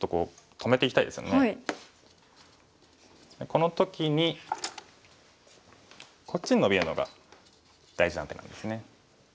この時にこっちにノビるのが大事な手なんですね。